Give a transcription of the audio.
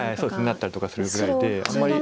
なったりとかするぐらいであんまり。